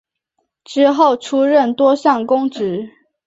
之后出任多项公职。